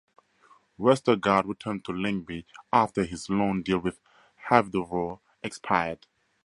Westergaard returned to Lyngby after his loan deal with Hvidovre expired.